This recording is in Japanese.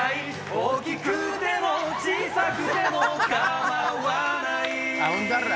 大きくても小さくても構わないアホンダラ！